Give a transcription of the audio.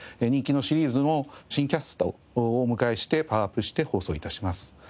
人気のシリーズも新キャストをお迎えしてパワーアップして放送致します。